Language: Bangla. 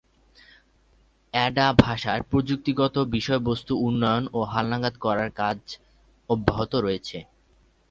অ্যাডা ভাষার প্রযুক্তিগত বিষয়বস্তু উন্নত ও হালনাগাদ করার কাজ অব্যাহত রয়েছে।